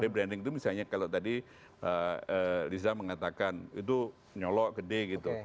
branding itu misalnya kalau tadi liza mengatakan itu nyolok gede gitu